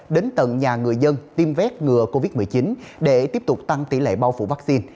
đến tầng nhà người dân tiêm vét ngừa covid một mươi chín để tiếp tục tăng tỷ lệ bao phủ vaccine